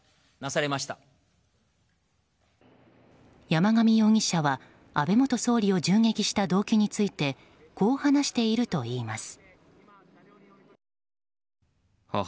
山上容疑者は安倍元総理を銃撃した動機についてこう話しているといいます。